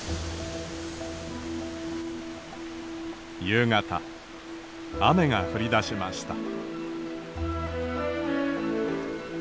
夕方雨が降りだしました。